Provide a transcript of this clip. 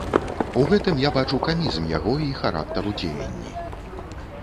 У гэтым я бачу камізм яго і характару дзеянні.